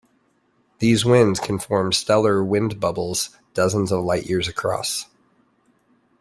These winds can form stellar wind bubbles dozens of light years across.